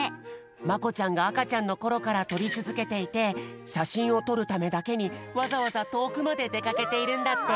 まこちゃんがあかちゃんのころからとりつづけていてしゃしんをとるためだけにわざわざとおくまででかけているんだって。